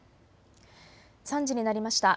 ３時になりました。